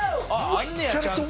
あるんねやちゃんと。